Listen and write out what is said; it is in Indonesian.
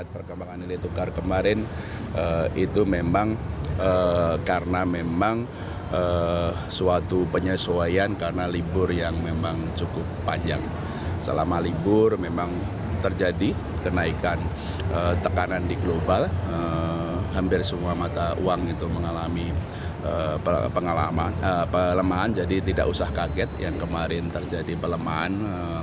pengalaman pelemahan jadi tidak usah kaget yang kemarin terjadi pelemahan